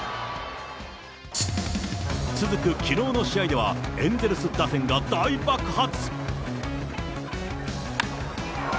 続くきのうの試合では、エンゼルス打線が大爆発。